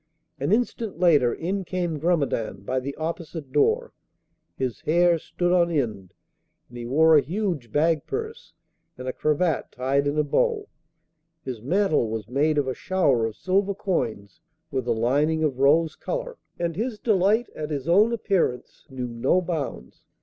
An instant later in came Grumedan by the opposite door. His hair stood on end, and he wore a huge bag purse and a cravat tied in a bow, his mantle was made of a shower of silver coins with a lining of rose colour, and his delight in his own appearance knew no bounds.